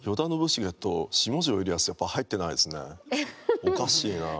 おかしいなあ。